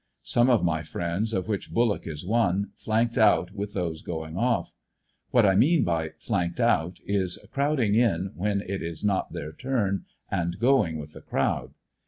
Some of my friends, of which Bullock is one, flanked out with those going off. What I mean by * 'flanked out" is crowding in when it is not their turn and going with the crowd.